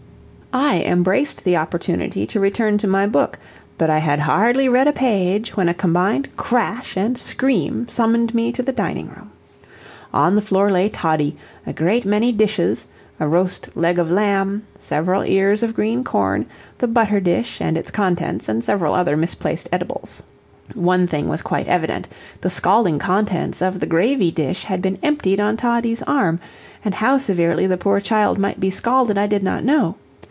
I embraced the opportunity to return to my book, but I had hardly read a page, when a combined crash and scream summoned me to the dining room. On the floor lay Toddie, a great many dishes, a roast leg of lamb, several ears of green corn, the butter dish and its contents, and several other misplaced edibles. One thing was quite evident; the scalding contents of the gravy dish had been emptied on Toddie's arm, and how severely the poor child might be scalded I did not know.